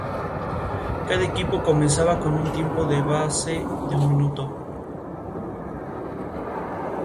Durante sus estudios, realizó prácticas como periodista, especialista en desarrollo y consultor de comunicaciones.